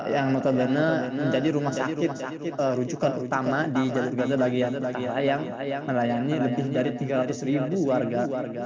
yang notabene menjadi rumah sakit rujukan utama di jalur gaza bagian yang melayani lebih dari tiga ratus ribu warga warga